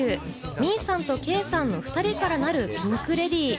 ミーさんとケイさんの２人からなるピンク・レディー。